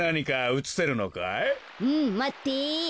うんまって。